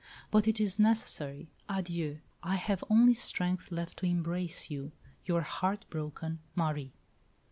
But it is necessary. Adieu! I have only strength left to embrace you. Your heart broken Marie."